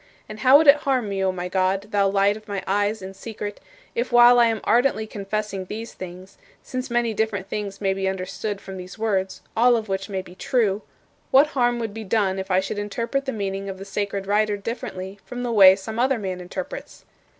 And how would it harm me, O my God, thou Light of my eyes in secret, if while I am ardently confessing these things since many different things may be understood from these words, all of which may be true what harm would be done if I should interpret the meaning of the sacred writer differently from the way some other man interprets?